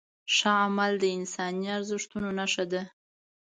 ښه عمل د انساني ارزښتونو نښه ده.